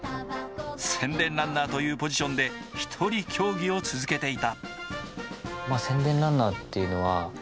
宣伝ランナーというポジションで１人競技を続けていた。